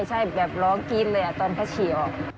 ใช่แบบร้องกรี๊ดเลยตอนพระฉี่ออก